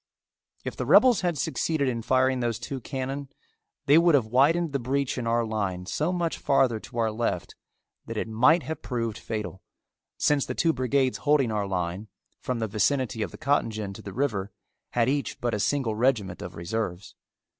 If the rebels had succeeded in firing those two cannon they would have widened the breach in our line so much farther to our left that it might have proved fatal, since the two brigades holding our line, from the vicinity of the cotton gin to the river, had each but a single regiment of reserves.